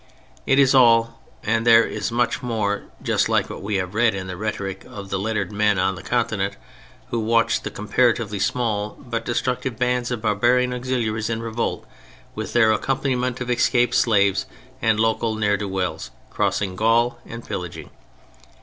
It is all (and there is much more) just like what we read in the rhetoric of the lettered men on the Continent who watched the comparatively small but destructive bands of barbarian auxiliaries in revolt, with their accompaniment of escaped slaves and local ne'er do wells, crossing Gaul and pillaging.